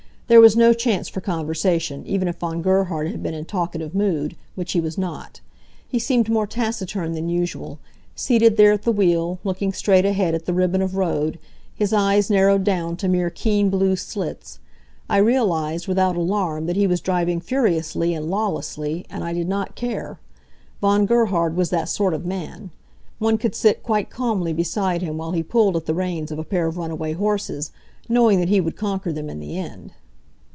There was no chance for conversation, even if Von Gerhard had been in talkative mood, which he was not. He seemed more taciturn than usual, seated there at the wheel, looking straight ahead at the ribbon of road, his eyes narrowed down to mere keen blue slits. I realized, without alarm, that he was driving furiously and lawlessly, and I did not care. Von Gerhard was that sort of man. One could sit quite calmly beside him while he pulled at the reins of a pair of runaway horses, knowing that he would conquer them in the end.